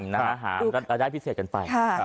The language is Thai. แล้วได้พิเศษกันไป